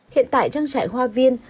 hiện tại trang trại hoa viên